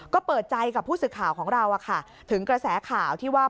ก็เปิดใจกับผู้สื่อข่าวของเราถึงกระแสข่าวที่ว่า